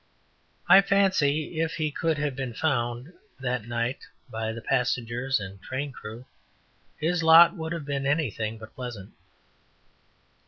I fancy if he could have been found that night by the passengers and train crew his lot would have been anything but pleasant.